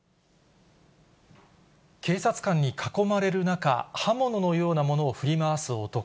警察官に囲まれる中、刃物のようなものを振り回す男。